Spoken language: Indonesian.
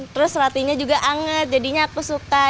terus rotinya juga anget jadinya aku suka